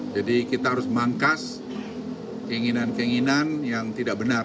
jadi kita harus mangkas keinginan keinginan yang tidak benar